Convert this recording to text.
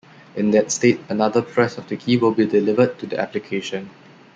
In that state, another press of the key will be delivered to the application.